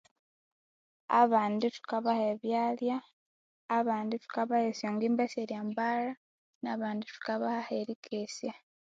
Abandi thukabaha ebyala abandi thukabaha esyonjjimba syeryambalha nabandi thukabaha aherikesya